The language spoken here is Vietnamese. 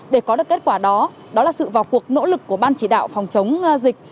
để có được kết quả đó đó là sự vào cuộc nỗ lực của ban chỉ đạo phòng chống dịch